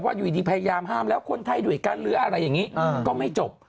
อยู่ดีพยายามห้ามแล้วคนไทยด้วยกันหรืออะไรอย่างนี้ก็ไม่จบ